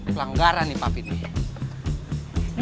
pelanggaran nih pak pi